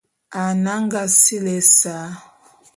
Anag sili ésa.